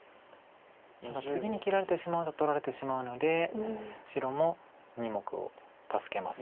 ただ次に切られてしまうと取られてしまうので白も２目を助けます